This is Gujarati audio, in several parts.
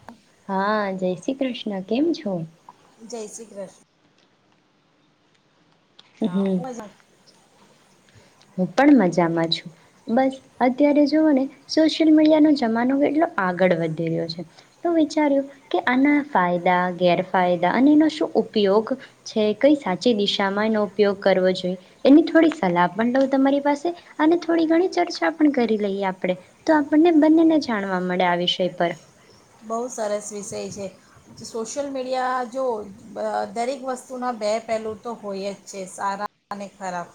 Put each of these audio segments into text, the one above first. [inaudible] હા, જય શ્રી કૃષ્ણ કેમ છો? જય શ્રી કૃષ્ણ. હા હમ હો હું પણ મજામાં છું. બસ અત્યારે જોવો ને સોશિયલ મીડિયાનો જમાનો કેટલો આગળ વધી રહ્યો છે. તો વિચાર્યું કે આના ફાયદા ગેરફાયદા અને એનો શું ઉપયોગ છે, કઈ સાચી દિશામાં એનો ઉપયોગ કરવો જોએ એની થોડી સલાહ પણ લઉ તમારી પાસે અને થોડી ઘણી ચર્ચા પણ કરી લઈએ આપળે. તો આપણને બંનેને જાણવા મળે આ વિષય પર. બોવ સરસ વિષય છે. સોશિયલ મીડિયા જોવો બ દરેક વસ્તુના બે પહેલું તો હોય જ છે, સારા અને ખરાબ.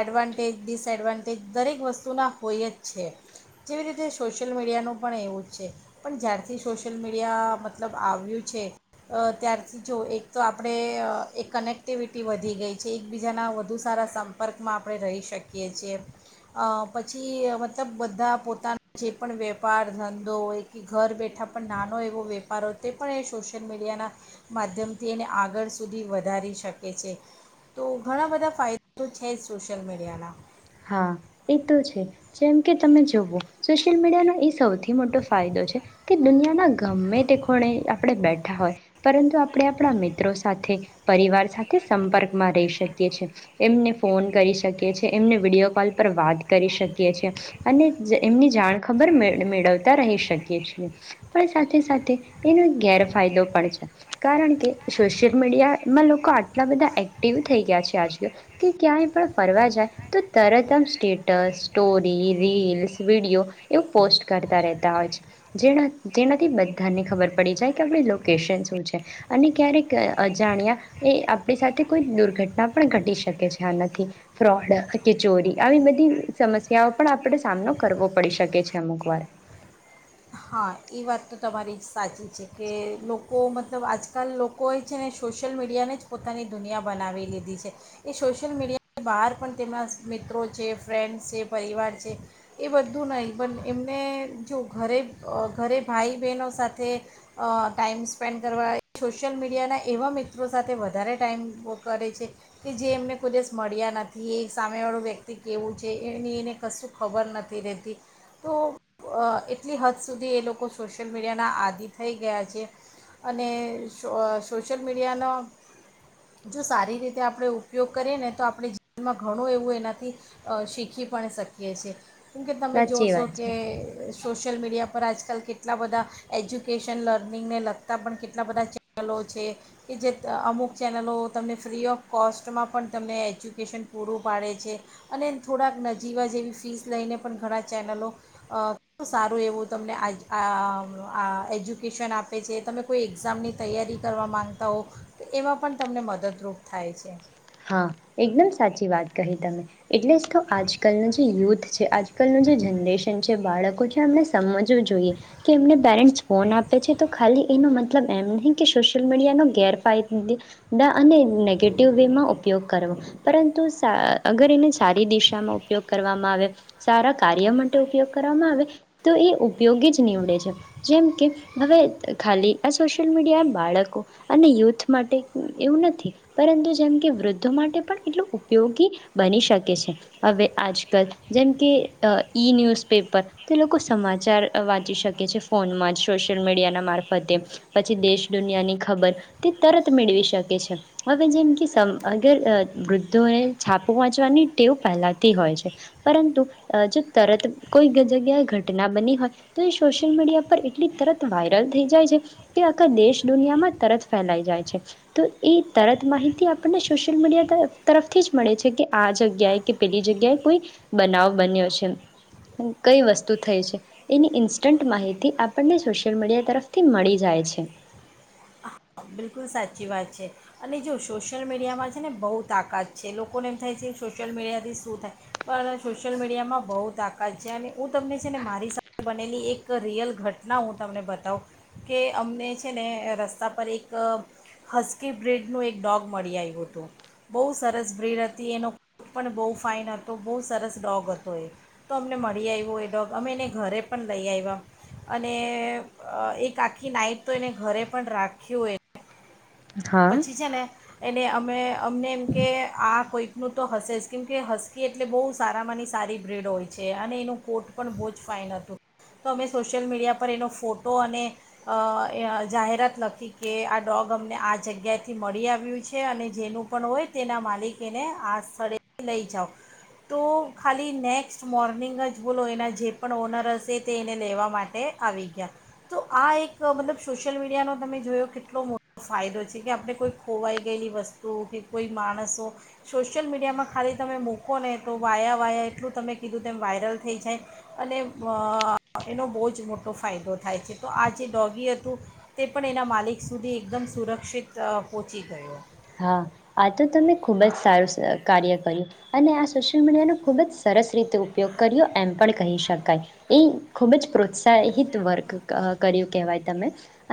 એડવાન્ટેજ ડિસએડવાન્ટેજ દરેક વસ્તુના હોય જ છે. જેવી રીતે સોશિયલ મીડિયાનું પણ એવું જ છે. પણ જ્યારથી સોશિયલ મીડિયા મતલબ આવ્યું છે. અ ત્યારથી જોવો એક તો આપણે અ એક કનેક્ટિવિટી વધી ગઈ છે. એકબીજાના વધુ સારા સંપર્કમાં આપણે રહી શકીએ છીએ, અ પછી મતલબ બધા પોતા જે પણ વેપાર ધંધો એ કે ઘર બેઠા પણ નાનો એવો વેપાર હોય તે પણ એ સોશિયલ મીડિયાના માધ્યમથી એને આગળ સુધી વધારી શકે છે. તો ઘણા બધા ફાયદા તો છે જ સોશિયલ મીડિયાના. હા, એ તો છે. જેમ કે તમે જોવો સોશિયલ મીડિયાનો એ સૌથી મોટો ફાયદો છે કે, દુનિયાના ગમ્મે તે ખુણે આપણે બેઠા હોય પરંતુ આપણે આપણા મિત્રો સાથે પરિવાર સાથે સંપર્કમાં રહી શકીએ છે, એમને ફોન કરી શકીએ છે એમને વિડીયો કોલ પર વાત કરી શકીએ છે. અને એમની જાણખબર મેળ મેળવતા રહી શકીએ છીએ. પણ સાથે સાથે એનો ગેરફાયદો પણ છે. કારણ કે, સોશિયલ મીડિયામાં લોકો આટલા બધા એક્ટિવ થઈ ગયા છે આજકાલ કે ક્યાંય પણ ફરવા જાય તો તરત આમ સ્ટેટસ, સ્ટોરી, રીલ્સ, વિડીયો એવું પોસ્ટ કરતા રહેતા હોય છે. જેણા જેનાથી બધાને ખબર પડી જાય કે આપણી લોકેશન શું છે અને ક્યારેક અજાણ્યા એ આપણી સાથે કોઈક દુર્ઘટના પણ ઘટી શકે છે. આનાથી ફ્રોડ કે ચોરી આવી બધી સમસ્યાઓ પણ આપણે સામનો કરવો પડી શકે છે અમુક વાર. હા, ઈ વાત તો તમારી સાચી છે કે, લોકો મતલબ આજકાલ લોકોએ છે ને સોશિલ મીડિયાને જ પોતાની દુનિયા બનાવી લીધી છે. એ સોશિયલ મીડિયાની બહાર પણ તેમના મિત્રો છે, ફ્રેન્ડ્સ છે, પરિવાર છે એ બધું નહીં પણ એમને જો ઘરે અ ઘરે ભાઈ બહેનો સાથે અહ ટાઈઇમ સ્પેન્ડ કરવા સોશિયલ મીડિયાના એવા મિત્રો સાથે વધારે ટાઈમ ઓ કરે છે કે, જે એમને કોય દિવસ મળ્યા નથી એ સામેવાળું વ્યક્તિ કેવું છે એની એને કશું ખબર નથી રહેતી. તો અ એટલી હદ સુધી એ લોકો સોશિયલ મીડિયાના આદિ થઈ ગયા છે અને અ સોશિયલ મીડિયાનો જો સારી રીતે આપણે ઉપયોગ કરીએ ને તો આપણે જીવનમાં ઘણું એવું એનાથી અ શીખી પણ શકીએ છે. કેમકે તમે સાચી જોશો વાત છે કે સોશયલ મીડિયા પણ આજકાલ કેટલા બધા એજ્યુકેશન લર્નિંગને લગતાં પણ કેટલા બધા ચેનલો છે કે જે અમુક ચેનલો તમને ફ્રી ઓફ કોસ્ટમાં પણ તમને એજ્યુકેશન પૂરું પાડે છે અને થોડાક નજીવા જેવી ફીસ લઈને પણ ઘણા ચેનલો અ સારું એવું તમને આ આ આ એજ્યુકેશન આપે છે તમે કોઈ એક્ઝામની તૈયારી કરવા માગતા હો તો એમાં પણ તમને મદદરૂપ થાય છે. હા એકદમ સાચી વાત કહી તમે. એટલે જ તો આજકાલનો જે યુથ છે આજ આકાલનું જે જનરેશન છે બાળકો છે એમને સમજવું જોઈએ કે એમને પેરેન્ટ્સ ફોન આપે છે તો ખાલી એનો મતલબ એમ નહી કે સોશિયલ મીડિયા નો ગેરફાયદા અને નેગેટિવ વેમાં ઉપ ઉપયોગ કરવો પરંતુ સા અગર એને સારી દિશામાં ઉપયોગ કરવામાં આવે સારા કાર્ય માટે ઉપયોગ કરવામાં આવે તો એ ઉપયોગી જ નીવડે છે. જેમકે હવે ખાલી આ સોશિયલ મીડિયા બાળકો અને યુથ માટે એવું નથી પરંતુ જેમકે વૃદ્ધ ધો માટે પણ એટલું ઉપયોગી બની શકે છે. હવે આજકાલ જેમ કે અ ઈ ન્યૂઝપેપર તે લોકો સમાચાર વાંચી શકે છે ફોનમાં જ સોશિયલ મીડિયાના મારફતે પછી દેશ દુનિયાની ખબર તે તરત મેળવી શકે છે. હવે જેમ કે સમ અગર અ વૃદ્ધોને છાપું વાંચવાની ટેવ પહેલાંથી હોય છે પરંતુ અ જો તરત કોઈ જગ્યાએ ઘટના બની હોય તો એ સોશિયલ મીડિયા પર એટલી તરત વાયરલ થઈ જાય છે કે આખા દેશ દુનિયામાં તરત ફેલાઈ જાય છે તો એ તરત માહિતી આપ આપને સોશિયલ મીડિયા તરફથી જ મળે છે કે આ જગ્યાએ કે પેલી જગ્યાએ કોઈ બનાવ બન્યો છે કઈ વસ્તુ થઈ છે એની ઇન્સ્ટન્ટ માહિતી આપણને સોશિયલ મીડિયા તરફથી મળી જાય છે. બિલકુલ સાચી વાત છે અને જો સોશિયલ મીડિયામાં છે ને બહુ તાકાત છે લોકોને એમ થાય છે સોશિયલ મીડિયાથી શું થાય પણ સોશિયલ મીડિયામાં બહુ તાકાત છે અને હું તમને છે ને મારી સાથે બનેલી એક રિયલ ઘટના હું તમને બતાવું કે અમને છે ને અ રસ્તા પર એક એક હસકી બ્રીડનું એક ડોગ મળી આવ્યું હતું બહુ સરસ બ્રીડ હતી એનો પણ બહુ ફાઇન હતો બહુ સરસ ડોગ હતો એ તો અમને મળી આવ્યો એ ડોગ અમે એને ઘરે પણ લઈ આવ્યા અને અ એક આખી નાઈટ તો એને ઘરે પણ રાખ્યું એ હા પછી છે ને એને અમે અમને એમ કે આ કોઈક નું તો હશે જ કેમ કે હસકી એટલે બહુ સારામાંની સારી બ્રીડ હોય છે. અને એનું કોટ પણ બહુ જ ફાઇન હતું. તો અમે સોશિયલ મીડિયા પર એનો ફોટો અને અ જાહેરાત લખી કે આ ડોગ અમને આજ આ જગ્યાએથી મળી આવ્યું છે અને જેનું પણ હોય તેના માલિક એને આ સ્થળેથી લઈ જાઓ. તો ખાલી નેક્સ્ટ મોર્નિંગ જ બોલો એના જે પણ ઓનર હશે તે એને લેવા માટે આવી ગયા તો આ એક મતલબ સોશિયલ મીડિયાનો તમે જોયો કેટલો મોટો ફાયદો છે. જે કે આપણે કોઈ ખોવાઈ ગયેલી વસ્તુ કે કોઈ માણસો સોશિયલ મીડિયામાં ખાલી તમે મૂકો ને તો વાયા વાયા એટલું તમે કીધું તેમ વાયરલ થઈ જાય અને અ એનો બહુ જ મોટો ફાયદો થાય છે. તો આ જે ડોગી હતું તે પણ એના માલિક સુધી એકદમ સુરક્ષિત તો પોચી ગયો. હા આ તો તમે ખૂબ જ સારું કાર્ય કર્યું અને આ સોશિયલ મીડિયાનો ખૂબ જ સરસ રીતે ઉપયોગ કર્યો એમ પણ કહી શકાય. એ ખૂબ જ પ્રોત્સાહિત વર્ક કર્યું કહેવાય તમે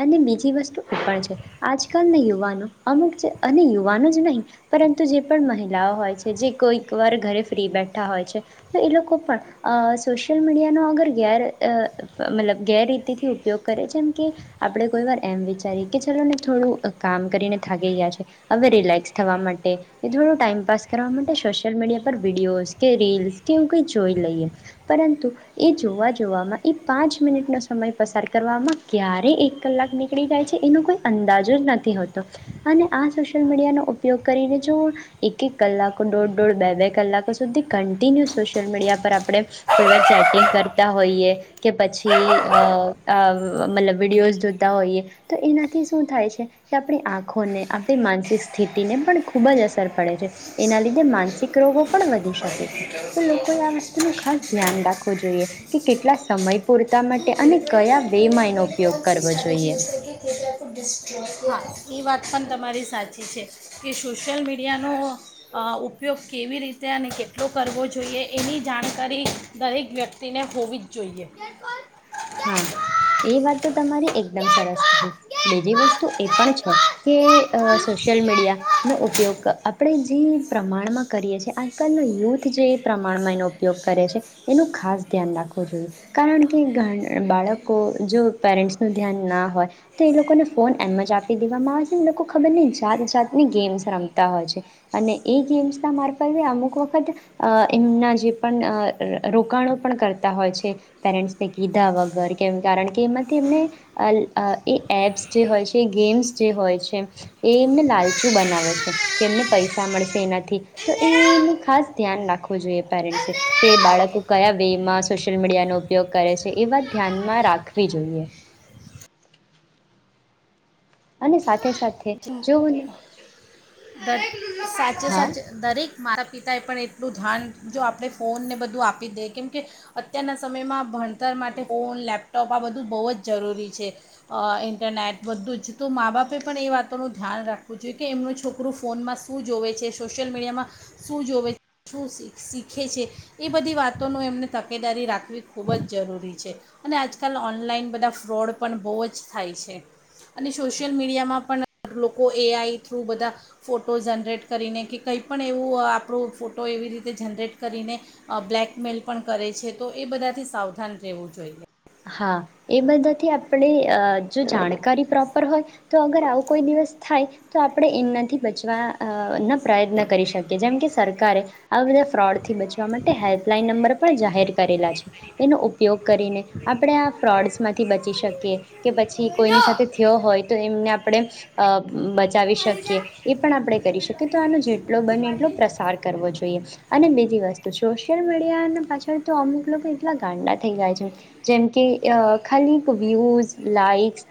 અને બીજી વસ્તુ એ પણ છે આજકાલના યુવાનો અમુક જે અને યુવાનો જ નહીં પરંતુ જે પણ મહિલાઓ હોય છે જે કોઈક વાર ઘરે ફ્રી બેઠા હોય છે તો એ લોકો પણ અ સોશિયલ મીડિયાનો અગર ગેર અ મતલબ ગેરરીતિથી ઉપયોગ કરે જેમ કે આપણે કોઈ વાર એમ વિચારીએ કે ચલો ને થોડું કામ કરીને થાગી ગયા છે હવે રિલેક્સ થવા માટે એ થોડો ટાઈમપાસ કરવા માટે સોશિયલ મીડિયા પર વિડીયોઝ કે રીલ્સ કે એ કઈ જોઈ લઈએ પરંતુ એ જોવા જોવામાં એ પાંચ મિનિટનો સમય પસાર કરવામાં ક્યારેય એક કલાક નીકળી જાય છે એનો કોઈ અંદાજ જ નથી હોતો અને આ સોશિયલ મીડિયાનો ઉપયોગ કરીને જો એક-એક કલાકો દોઢ-દોઢ બે બે કલાકો સુધી કન્ટિન્યુ સોશિયલ મીડિયા પર આપણે કોઈવાર ચેટિંગ કરતા હોઈએ કે પછી અ અ મતલબ વિડીયોઝ જોતા હોઈએ તો એનાથી શું થાય છે કે આપણી આંખોને આપ તે માનસિક સ્થિતિને પણ ખૂબ જ અસર પડે છે એના લીધે માનસિક રોગો પણ વધી શકે છે તો લોકોએ આ વસ્તુનું ખાસ ધ્યાન રાખવું જોઈએ કે કેટલા સમય પૂરતા માટે અને કયા વેમાં એનો ઉપયોગ કરવો જોઈએ [inaudible] એ વાત પણ તમારી સાચી છે કે સોશિયલ મીડિયાનો અ ઉપયોગ કેવી રીતે અને કેટલો કરવો જોઈએ એની જાણકારી દરેક વ્યક્તિને હોવી જ જોઈએ હા એ વાત તો તમારી એકદમ સરસ બીજી વસ્તુ એ પણ છે કે અ સોશિયલ મીડિયાનો ઉપયોગ આપણે જે પ્રમાણમાં કરીએ છે એ આજકાલનો યુથ જે પ્રમાણમાં એનો ઉપયોગ કરે છે એનું ખાસ ધ્યાન રાખવું જોઈએ કારણ કે બાળકો જો પેરેન્ટ્સનું ધ્યાન ના હોય તો એ લોકોને ફોન એમ જ આપી દેવામાં આવે છે અને લોકો ખબર નહીં જાત જાતની ગેમ્સ રમતા હોય છે અને એ ગેમ્સના મારફતે અમુક વખત એમના જે પણ રોકાણો પણ કરતા હોય છે પેરેન્ટ્સને ગીત બધા વગર કેમ કારણ કે એમાંથી એમને એ એપ્સ જે હોય છે એ ગેમ્સ જે હોય છે એ એમને લાલચું બનાવે છે કે એમને પૈસા મળશે એનાથી તો એ અંદર આવ એમને ખાસ ધ્યાન રાખવું જોઈએ પેરેન્ટ્સે કે અંદર બાળકો કયા વેમાં સોશિયલ મીડિયાનો ઉપયોગ કરે છે એ વાત આવ ધ્યાનમાં રાખવી જોઈએ. અને સાથે સાથે જો હ સાચો સાચ દરેક મારા પિતાએ પણ એટલું ધ્યાન જો આપણે ફોનને બધું આપી દઈએ કેમકે અત્યારના સમયમાં ભણતર માટે ફોન લેપટોપ આ બધું બહુ જ જરૂરી છે અ ઇન્ટરનેટ બધું જ તો મા બાપે પણ એ વાતોનું ધ્યાન રાખવું જોઈએ કે એમનું છોક છોકરું ફોનમાં શું જોવે છે સોશિયલ મીડિયામાં શું જોવે છે શું શીખે છે એ બધી વાતોનું એમને તકેદારી રાખવી ખૂબ જ જરૂરી છે અને આજકાલ ઓનલાઈન બધા ફ્રોડ પણ બહુ જ થાય છે અને સોશિયલ મીડિયામાં પણ લોકો એઆઈ થ્રુ બધા ફોટો જનરેટ કરીને કે કંઈ પણ એવું આપણું ફોટો એવી રીતે જનરેટ કરીને બ્લેકમેલ પણ કરે છે તો એ બધાથી સાવધાન રહેવું જોઈએ. હા એ બધાથી આપણે જો જાણકારી પ્રોપર હોય તો અગર આવો કોઈ દિવસ થાય તો આપણે એનાથી બચવાઆ અ ના પ્રયત્ન કરી શકીએ જેમ કે સરકારે આ બધા ફ્રોડથી બચવા માટે હેલ્પલાઇન નંબર પણ જાહેર કરેલા છે એનો ઉપયોગ કરીને આપણે આ ફ્રોડસમાંથી બચી શકીએ. કે પછી. કોઈની સાથે થયો હોય તો, એમને આપણે અ બચાવી શકીએ. એ પણ આપણે કરી શકીએ. તો આનો જેટલો બને એટલો પ્રસાર કરવો જોઈએ. અને બીજી વસ્તુ, સોશિયલ મીડિયા પાછળ તો અમુક લોકો એટલા ગાંડા થઈ ગયા છે. જેમ કે, ખાલી વ્યૂઝ, લાઈક્સ,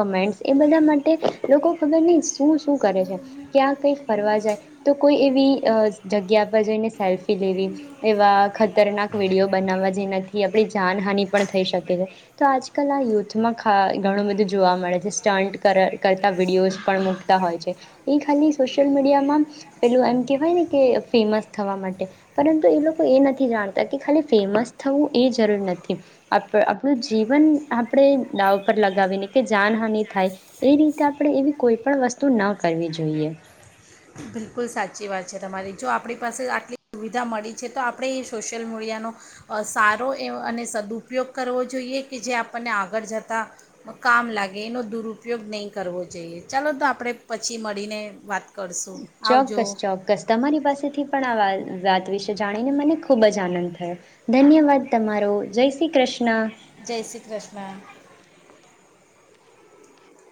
કમેન્ટ્સ એ બધા માટે લોકો ખબર નહીં શું-શું કરે છે. ક્યાં કંઈક ફરવા જાય. તો કોઈ એવી અ જગ્યા પર જઈને સેલ્ફી લેવી. એવા ખતરનાક વિડીયો બનાવવા. જેનાથી આપણી જાનહાની થઈ શકે છે. તો, આજકાલ આ યુથમાં ઘણું બધું જોવા મળે છે. સ્ટન્ટ કરતા વિડીિયોસ પણ મૂકતા હોય છે. એ ખાલી સોશિયલ મીડિયામાં પેલું એમ કેહેવાય ને કે, ફેમસ થવા માટે. પરંતુ, એ લોકો એ નથી જાણતા કે, ખાલી ફેમસ થવું એ જરૂર નથી. આપણું જીવન આપણે દાવ પર લગાવીને કે, જાનહાની થાય. એ રીતે આપણે એવી કોઈ પણ વસ્તુ ન કરવી જોઈએ. બિલકુલ સાચી વાત છે તમારી. જો આપણી પાસે આટલી સુવિધા મળી છે તો, આપણે એ સોશિયલ મીડિયાનો સારો એ અને સદુપયોગ કરવો જોઈએ કે, જે આપણને આગળ જતાં કામ લાગે. એનો દુરુપયોગ નહીં કરવો જોઈએ ચાલો તો, આપણે પછી મળીને વાત કરશું. આવજો ચોક્કસ ચોક્કસ. તમારી પાસેથી પણ આ વાત વિશે જાણીને મને ખૂબ જ આનંદ થયો. ધન્યવાદ તમારો, જય શ્રી કૃષ્ણ. જય શ્રી કૃષ્ણ.